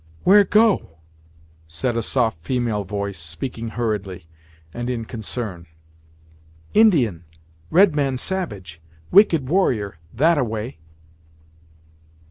"Where go? " said a soft female voice, speaking hurriedly, and in concern. "Indian red man savage wicked warrior that a way."